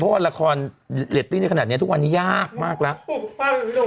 เพราะว่าแลตติ้งเลยราคอนในขณะนี้ทุกวันนี้ยากมากแล้ว